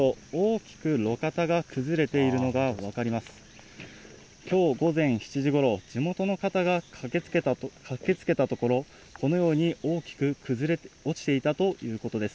きょう午前７時ごろ、地元の方が駆けつけたところ、このように大きく崩れ落ちていたということです。